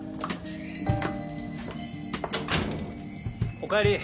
おかえり